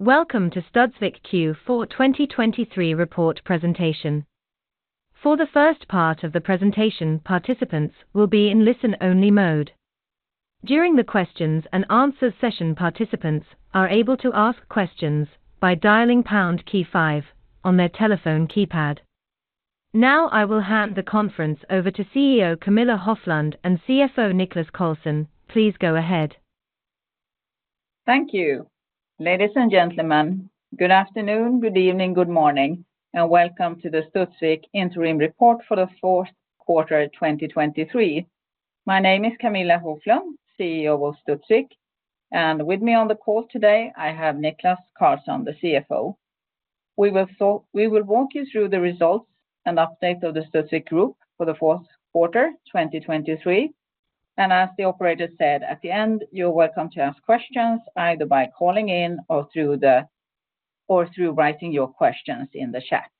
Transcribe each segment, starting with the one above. Welcome to Studsvik Q4 2023 report presentation. For the first part of the presentation, participants will be in listen-only mode. During the questions and answers session, participants are able to ask questions by dialing pound key five on their telephone keypad. Now, I will hand the conference over to CEO Camilla Hoflund and CFO Niklas Karlsson. Please go ahead. Thank you. Ladies and gentlemen, good afternoon, good evening, good morning, and welcome to the Studsvik interim report for the fourth quarter, 2023. My name is Camilla Hoflund, CEO of Studsvik, and with me on the call today, I have Niklas Karlsson, the CFO. We will walk you through the results and update of the Studsvik Group for the fourth quarter, 2023, and as the operator said, at the end, you're welcome to ask questions, either by calling in or through writing your questions in the chat.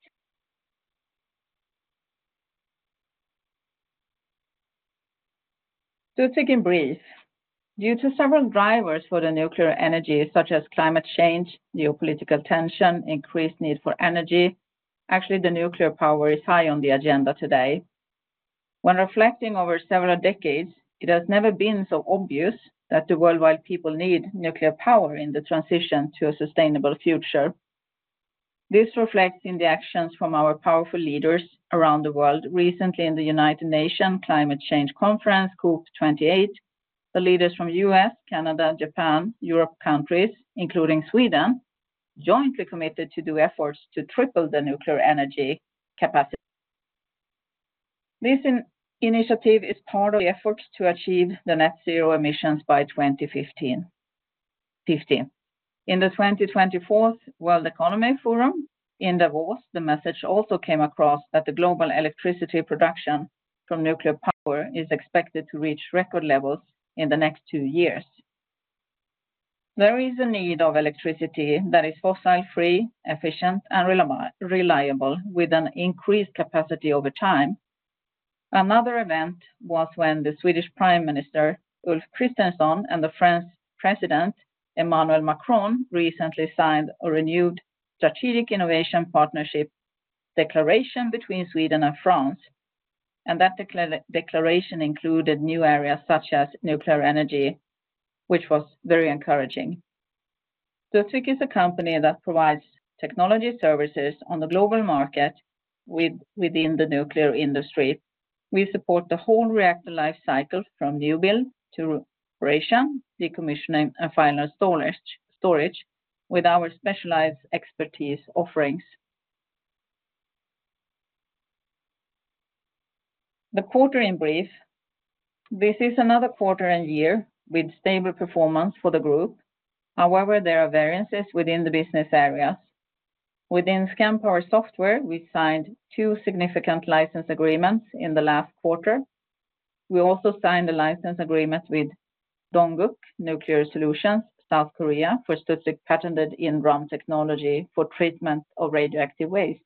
Studsvik in brief. Due to several drivers for the nuclear energy, such as climate change, geopolitical tension, increased need for energy, actually, the nuclear power is high on the agenda today. When reflecting over several decades, it has never been so obvious that the worldwide people need nuclear power in the transition to a sustainable future. This reflects in the actions from our powerful leaders around the world. Recently, in the United Nations Climate Change Conference, COP28, the leaders from U.S., Canada, Japan, European countries, including Sweden, jointly committed to do efforts to triple the nuclear energy capacity. This initiative is part of the efforts to achieve the net zero emissions by 2015. In the 2024 World Economic Forum in Davos, the message also came across that the global electricity production from nuclear power is expected to reach record levels in the next two years. There is a need of electricity that is fossil-free, efficient, and reliable, with an increased capacity over time. Another event was when the Swedish Prime Minister, Ulf Kristersson, and the French President, Emmanuel Macron, recently signed a renewed Strategic Innovation Partnership Declaration between Sweden and France, and that declaration included new areas such as nuclear energy, which was very encouraging. Studsvik is a company that provides technology services on the global market within the nuclear industry. We support the whole reactor life cycle, from new build to operation, decommissioning, and final storage, with our specialized expertise offerings. The quarter in brief. This is another quarter and year with stable performance for the group. However, there are variances within the business areas. Within Scandpower software, we signed two significant license agreements in the last quarter. We also signed a license agreement with Dongguk Nuclear Solutions, South Korea, for Studsvik patented inDRUM technology for treatment of radioactive waste.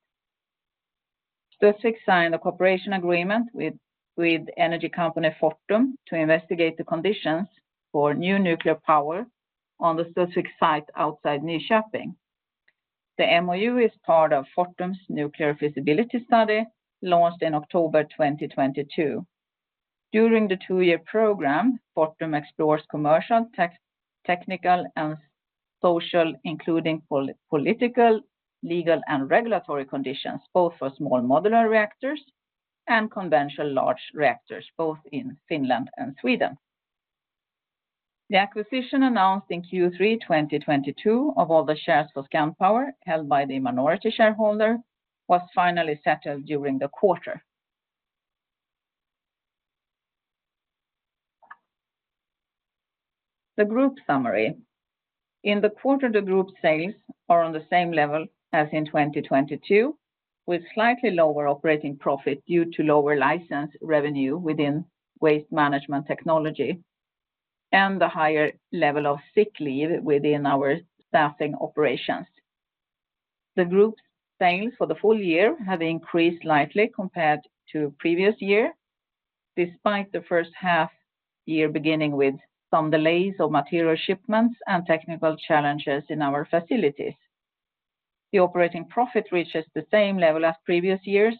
Studsvik signed a cooperation agreement with energy company Fortum to investigate the conditions for new nuclear power on the Studsvik site outside Nyköping. The MoU is part of Fortum's nuclear feasibility study, launched in October 2022. During the two-year program, Fortum explores commercial, technical, and social, including political, legal, and regulatory conditions, both for small modular reactors and conventional large reactors, both in Finland and Sweden. The acquisition, announced in Q3 2022, of all the shares of Scandpower, held by the minority shareholder, was finally settled during the quarter. The group summary. In the quarter, the group sales are on the same level as in 2022, with slightly lower operating profit due to lower license revenue within Waste Management Technology and the higher level of sick leave within our staffing operations. The group sales for the full year have increased slightly compared to previous year, despite the first half year beginning with some delays of material shipments and technical challenges in our facilities. The operating profit reaches the same level as previous years,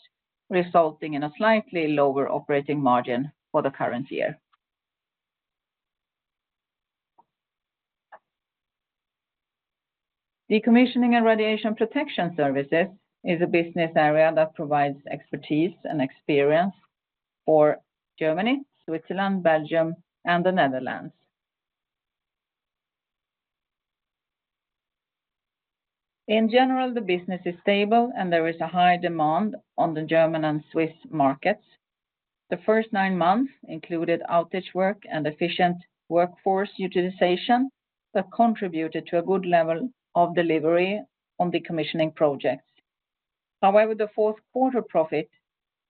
resulting in a slightly lower operating margin for the current year. Decommissioning and Radiation Protection Services is a business area that provides expertise and experience for Germany, Switzerland, Belgium, and the Netherlands. In general, the business is stable, and there is a high demand on the German and Swiss markets. The first nine months included outage work and efficient workforce utilization that contributed to a good level of delivery on decommissioning projects. However, the fourth quarter profit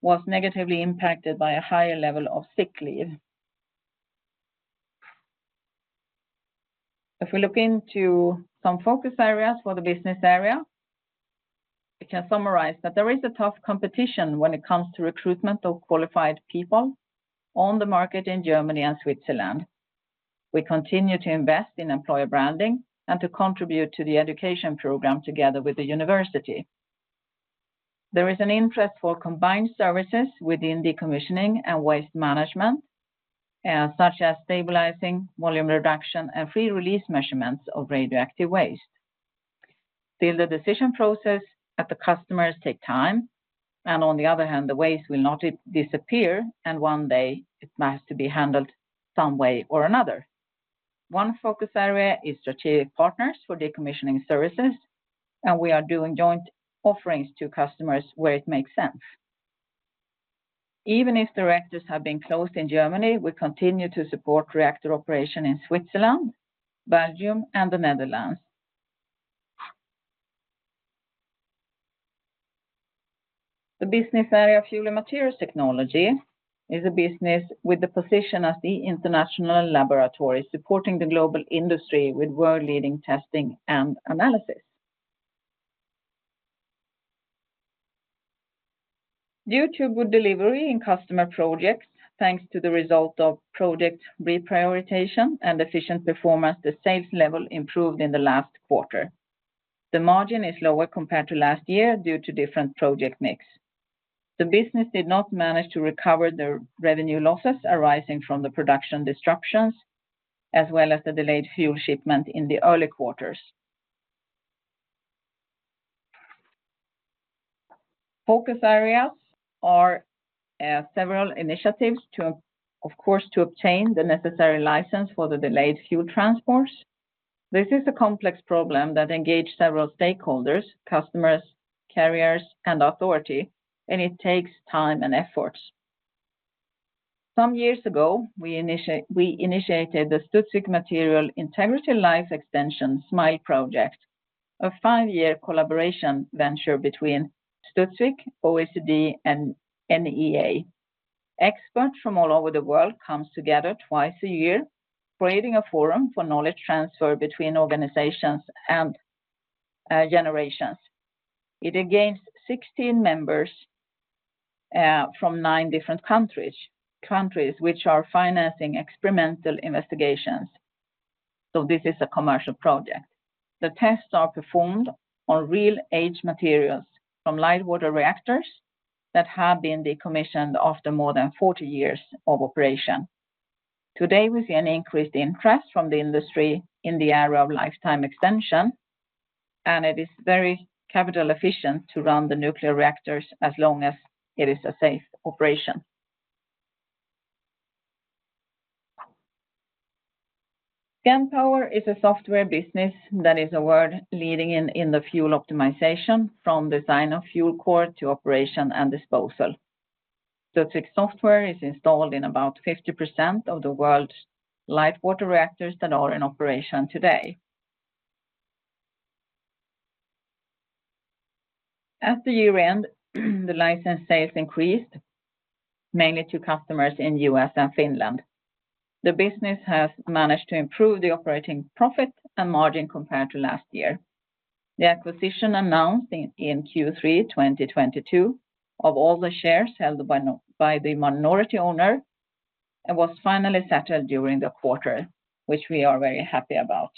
was negatively impacted by a higher level of sick leave. If we look into some focus areas for the business area-... We can summarize that there is a tough competition when it comes to recruitment of qualified people on the market in Germany and Switzerland. We continue to invest in employer branding and to contribute to the education program together with the university. There is an interest for combined services within decommissioning and waste management, such as stabilizing, volume reduction, and free release measurements of radioactive waste. Still, the decision process at the customers take time, and on the other hand, the waste will not disappear, and one day it has to be handled some way or another. One focus area is strategic partners for decommissioning services, and we are doing joint offerings to customers where it makes sense. Even if the reactors have been closed in Germany, we continue to support reactor operation in Switzerland, Belgium, and the Netherlands. The business area of Fuel and Materials Technology is a business with the position as the international laboratory, supporting the global industry with world-leading testing and analysis. Due to good delivery in customer projects, thanks to the result of project reprioritization and efficient performance, the sales level improved in the last quarter. The margin is lower compared to last year due to different project mix. The business did not manage to recover their revenue losses arising from the production disruptions, as well as the delayed fuel shipment in the early quarters. Focus areas are several initiatives to, of course, to obtain the necessary license for the delayed fuel transports. This is a complex problem that engaged several stakeholders, customers, carriers, and authority, and it takes time and effort. Some years ago, we initiated the Studsvik Material Integrity Life Extension, SMILE project, a five-year collaboration venture between Studsvik, OECD, and NEA. Experts from all over the world comes together twice a year, creating a forum for knowledge transfer between organizations and generations. It has 16 members from 9 different countries, countries which are financing experimental investigations. So this is a commercial project. The tests are performed on real aged materials from light water reactors that have been decommissioned after more than 40 years of operation. Today, we see an increased interest from the industry in the area of lifetime extension, and it is very capital efficient to run the nuclear reactors as long as it is a safe operation. Scandpower is a software business that is world-leading in the fuel optimization from design of fuel core to operation and disposal. Studsvik software is installed in about 50% of the world's light water reactors that are in operation today. At the year-end, the license sales increased, mainly to customers in U.S. and Finland. The business has managed to improve the operating profit and margin compared to last year. The acquisition announced in Q3 2022, of all the shares held by the minority owner, it was finally settled during the quarter, which we are very happy about.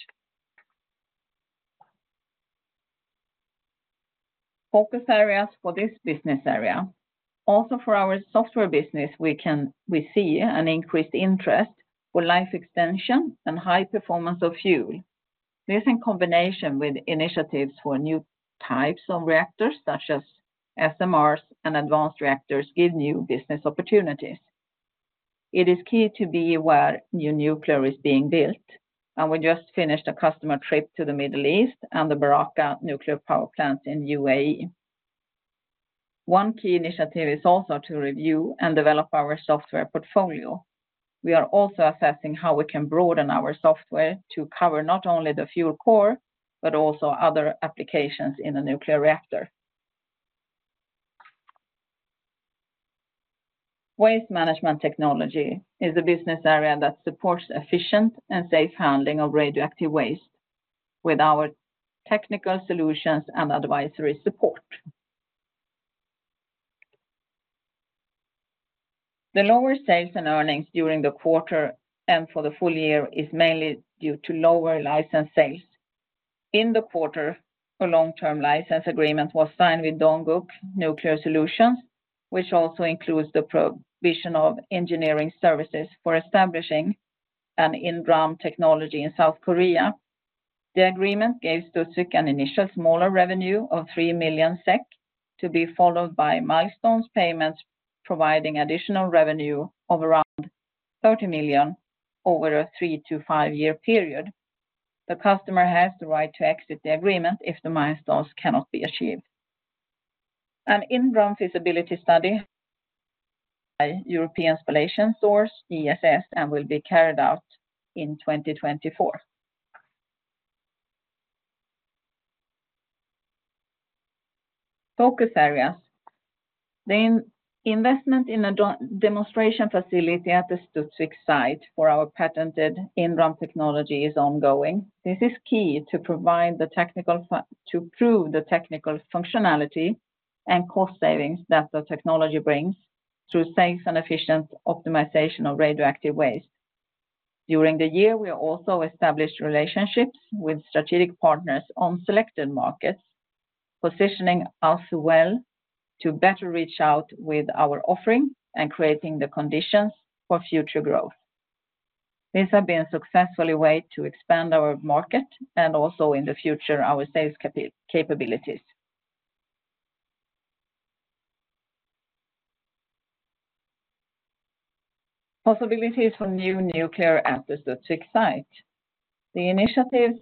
Focus areas for this business area. Also, for our software business, we see an increased interest for life extension and high performance of fuel. This, in combination with initiatives for new types of reactors, such as SMRs and advanced reactors, give new business opportunities. It is key to be where new nuclear is being built, and we just finished a customer trip to the Middle East and the Barakah nuclear power plant in UAE. One key initiative is also to review and develop our software portfolio. We are also assessing how we can broaden our software to cover not only the fuel core, but also other applications in a nuclear reactor. Waste Management Technology is a business area that supports efficient and safe handling of radioactive waste with our technical solutions and advisory support. The lower sales and earnings during the quarter and for the full year is mainly due to lower license sales. In the quarter, a long-term license agreement was signed with Dongguk Nuclear Solutions, which also includes the provision of engineering services for establishing an inDRUM technology in South Korea. The agreement gave Studsvik an initial smaller revenue of 3 million SEK, to be followed by milestones payments, providing additional revenue of around 30 million over a 3- to 5-year period. The customer has the right to exit the agreement if the milestones cannot be achieved. An inDRUM feasibility study by European Spallation Source, ESS, will be carried out in 2024. Focus areas?... The investment in a demonstration facility at the Studsvik site for our patented inDRUM technology is ongoing. This is key to prove the technical functionality and cost savings that the technology brings through safe and efficient optimization of radioactive waste. During the year, we also established relationships with strategic partners on selected markets, positioning us well to better reach out with our offering and creating the conditions for future growth. These have been a successful way to expand our market and also in the future, our sales capabilities. Possibilities for new nuclear at the Studsvik site. The initiatives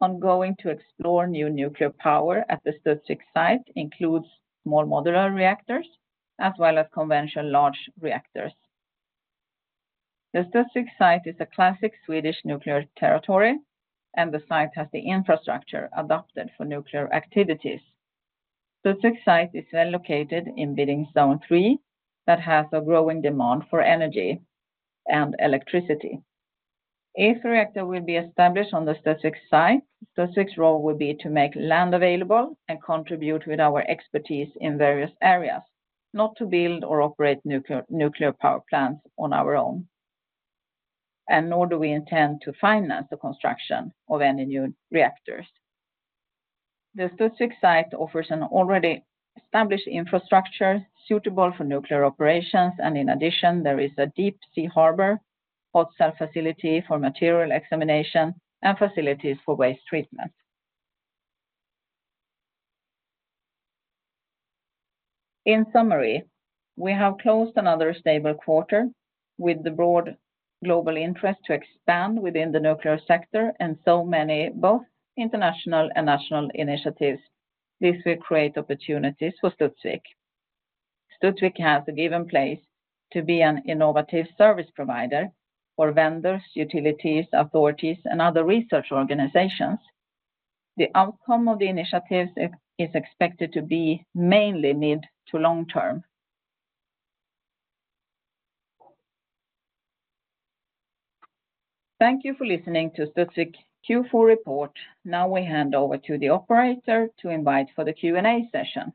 ongoing to explore new nuclear power at the Studsvik site includes more modular reactors as well as conventional large reactors. The Studsvik site is a classic Swedish nuclear territory, and the site has the infrastructure adapted for nuclear activities. Studsvik site is well located in bidding zone three, that has a growing demand for energy and electricity. If reactor will be established on the Studsvik site, Studsvik's role will be to make land available and contribute with our expertise in various areas, not to build or operate nuclear power plants on our own, and nor do we intend to finance the construction of any new reactors. The Studsvik site offers an already established infrastructure suitable for nuclear operations, and in addition, there is a deep sea harbor, hot cell facility for material examination, and facilities for waste treatment. In summary, we have closed another stable quarter with the broad global interest to expand within the nuclear sector and so many, both international and national initiatives. This will create opportunities for Studsvik. Studsvik has a given place to be an innovative service provider for vendors, utilities, authorities, and other research organizations. The outcome of the initiatives is expected to be mainly mid to long term. Thank you for listening to Studsvik Q4 report. Now we hand over to the operator to invite for the Q&A session.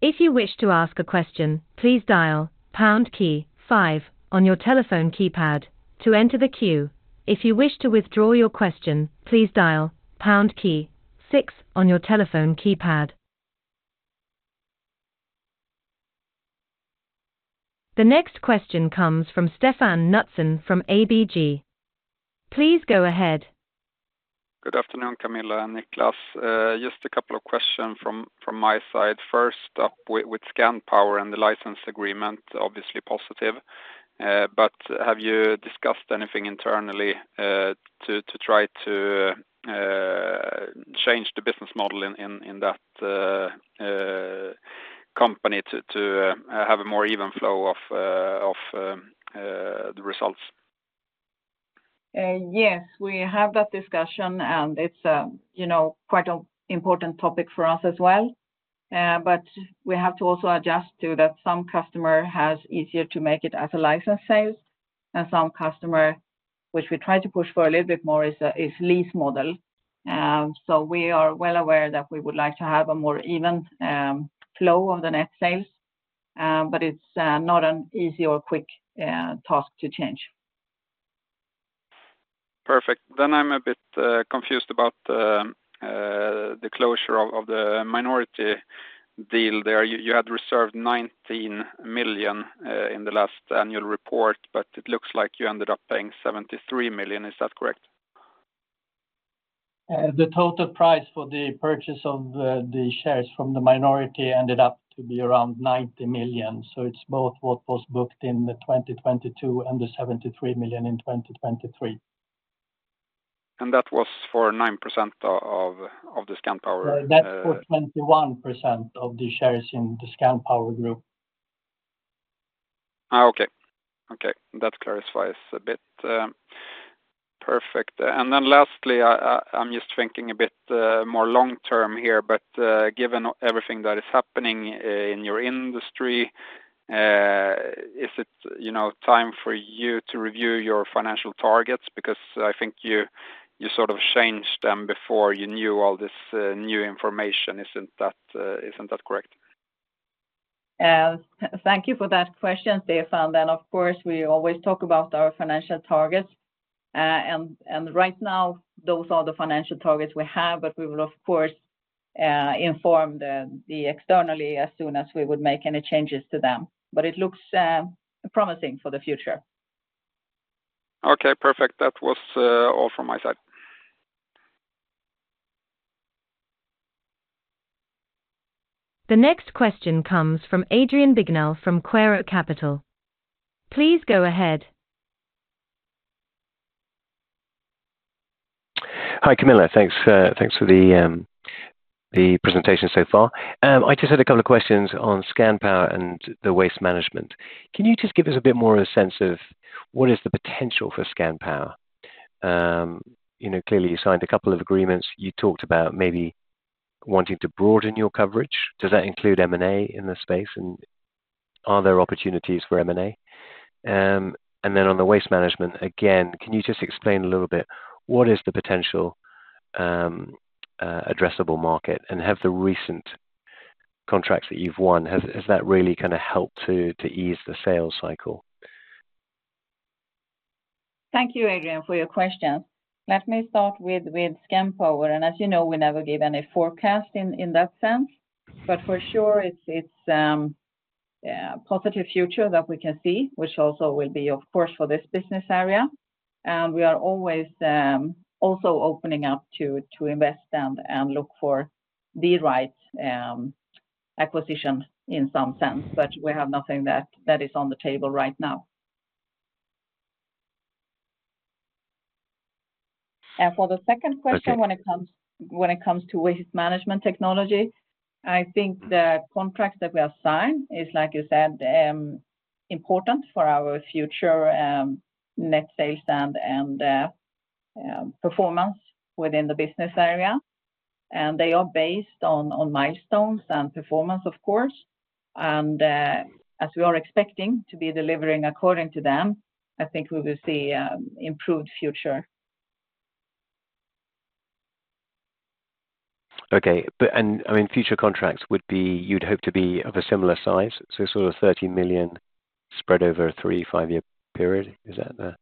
If you wish to ask a question, please dial pound key five on your telephone keypad to enter the queue. If you wish to withdraw your question, please dial pound key six on your telephone keypad. The next question comes from Stefan Knutsson from ABG. Please go ahead. Good afternoon, Camilla and Niklas. Just a couple of questions from my side. First up, with Scandpower and the license agreement, obviously positive, but have you discussed anything internally to try to change the business model in that company to have a more even flow of the results? Yes, we have that discussion, and it's, you know, quite an important topic for us as well. But we have to also adjust to that some customer has easier to make it as a license sale, and some customer, which we try to push for a little bit more, is lease model. So we are well aware that we would like to have a more even flow of the net sales, but it's not an easy or quick task to change. Perfect. Then I'm a bit confused about the closure of the minority deal there. You had reserved 19 million in the last annual report, but it looks like you ended up paying 73 million. Is that correct? The total price for the purchase of the shares from the minority ended up to be around 90 million, so it's both what was booked in the 2022 and the 73 million in the 2023. That was for 9% of the Scandpower. That's for 21% of the shares in the Scandpower group. Okay. Okay, that clarifies a bit, perfect. And then lastly, I'm just thinking a bit more long term here, but given everything that is happening in your industry, is it, you know, time for you to review your financial targets? Because I think you sort of changed them before you knew all this new information. Isn't that correct? Thank you for that question, Stefan. Then, of course, we always talk about our financial targets, and right now, those are the financial targets we have, but we will, of course, inform the externally as soon as we would make any changes to them. But it looks promising for the future. Okay, perfect. That was all from my side. The next question comes from Adrian Bignell from Quaero Capital. Please go ahead. Hi, Camilla. Thanks, thanks for the, the presentation so far. I just had a couple of questions on Scandpower and the waste management. Can you just give us a bit more of a sense of what is the potential for Scandpower?... you know, clearly you signed a couple of agreements. You talked about maybe wanting to broaden your coverage. Does that include M&A in the space, and are there opportunities for M&A? And then on the waste management, again, can you just explain a little bit, what is the potential, addressable market, and have the recent contracts that you've won, has that really kind of helped to ease the sales cycle? Thank you, Adrian, for your questions. Let me start with Scandpower, and as you know, we never give any forecast in that sense, but for sure, it's a positive future that we can see, which also will be, of course, for this business area. And we are always also opening up to invest and look for the right acquisition in some sense, but we have nothing that is on the table right now. And for the second question- Okay... when it comes to Waste Management Technology, I think the contracts that we have signed is, like you said, important for our future, net sales and performance within the business area. And they are based on milestones and performance, of course. And, as we are expecting to be delivering according to them, I think we will see a improved future. Okay. But I mean, future contracts would be—you'd hope to be of a similar size, so sort of 30 million spread over a 3-5-year period. Is that the...?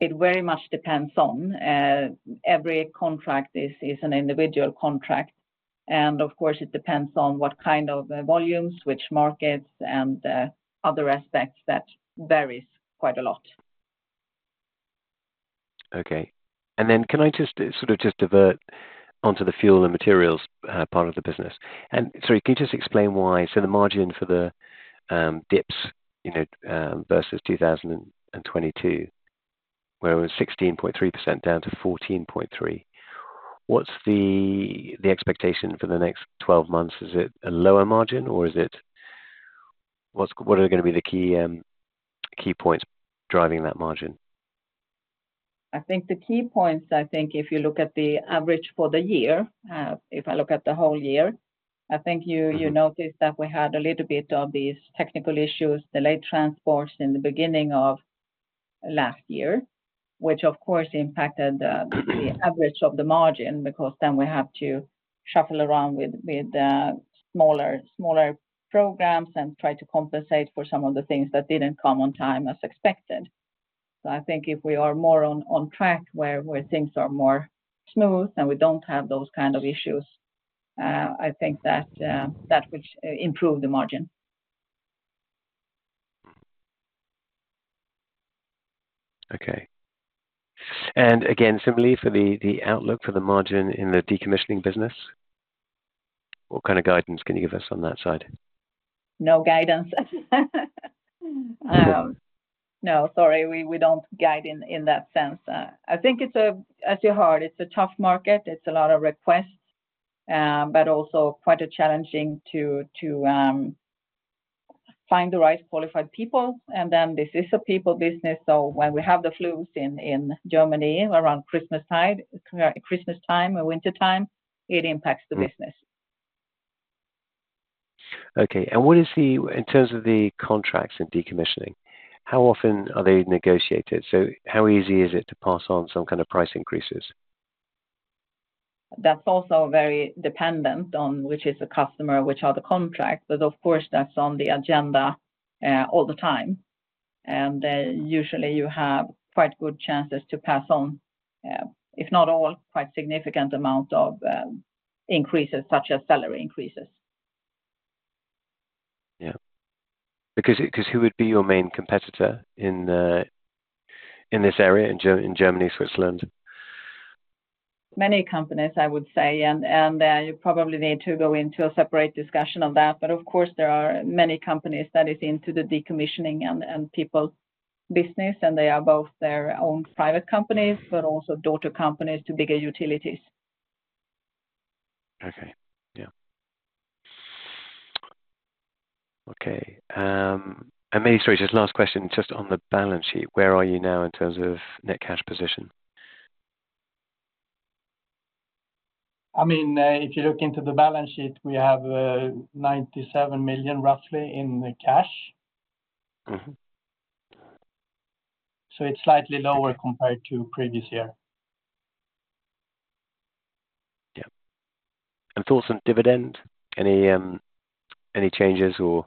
It very much depends on every contract is an individual contract, and of course, it depends on what kind of volumes, which markets, and other aspects that varies quite a lot. Okay. And then can I just sort of just divert onto the fuel and materials part of the business? And sorry, can you just explain why—So the margin for the dips, you know, versus 2022, where it was 16.3% down to 14.3%. What's the expectation for the next 12 months? Is it a lower margin, or is it... What are gonna be the key points driving that margin? I think the key points, I think if you look at the average for the year, if I look at the whole year, I think you, you notice that we had a little bit of these technical issues, delayed transports in the beginning of last year, which of course impacted the, the average of the margin, because then we have to shuffle around with, with, smaller, smaller programs and try to compensate for some of the things that didn't come on time as expected. So I think if we are more on, on track, where, where things are more smooth and we don't have those kind of issues, I think that, that would, improve the margin. Okay. And again, simply for the outlook for the margin in the decommissioning business, what kind of guidance can you give us on that side? No guidance. Okay. No, sorry, we don't guide in that sense. I think it's, as you heard, a tough market. It's a lot of requests, but also quite challenging to find the right qualified people. And then this is a people business, so when we have the flu in Germany, around Christmas time, Christmas time or wintertime, it impacts the business. Okay, and what is the in terms of the contracts and decommissioning, how often are they negotiated? So how easy is it to pass on some kind of price increases? That's also very dependent on which is the customer, which are the contracts, but of course, that's on the agenda, all the time. And, usually you have quite good chances to pass on, if not all, quite significant amount of, increases, such as salary increases. Yeah. Because, because who would be your main competitor in the, in this area, in Germany, Switzerland? Many companies, I would say, and you probably need to go into a separate discussion on that. But of course, there are many companies that is into the decommissioning and people business, and they are both their own private companies, but also daughter companies to bigger utilities. Okay. Yeah. Okay, and maybe, sorry, just last question, just on the balance sheet, where are you now in terms of net cash position? I mean, if you look into the balance sheet, we have roughly 97 million in the cash. Mm-hmm. So it's slightly lower- Okay... compared to previous year. Yeah. Thoughts on dividend, any changes or...?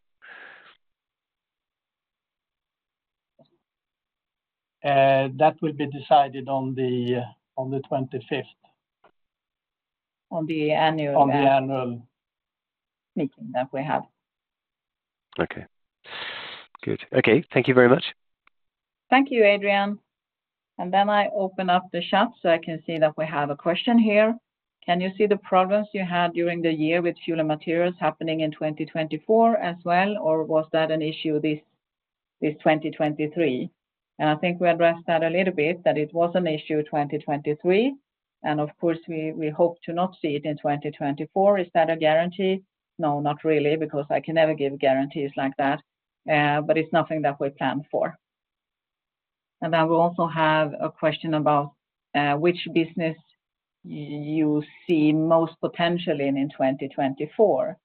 That will be decided on the 25th. On the annual, On the annual- Meeting that we have. Okay. Good. Okay, thank you very much. Thank you, Adrian. Then I open up the chat, so I can see that we have a question here. Can you see the progress you had during the year with fuel and materials happening in 2024 as well, or was that an issue this 2023? And I think we addressed that a little bit, that it was an issue 2023, and of course, we hope to not see it in 2024. Is that a guarantee? No, not really, because I can never give guarantees like that, but it's nothing that we plan for. And then we also have a question about, which business you see most potentially in, in 2024.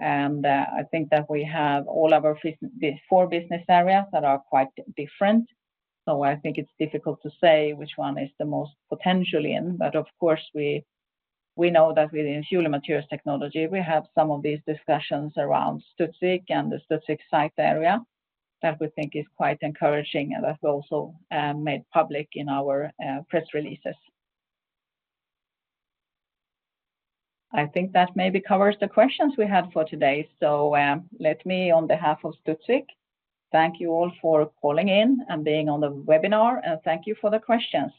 And, I think that we have all of our the four business areas that are quite different. So I think it's difficult to say which one is the most potentially in, but of course, we know that within Fuel and Materials Technology, we have some of these discussions around Studsvik and the Studsvik site area that we think is quite encouraging, and that's also made public in our press releases. I think that maybe covers the questions we had for today. So, let me, on behalf of Studsvik, thank you all for calling in and being on the webinar, and thank you for the questions.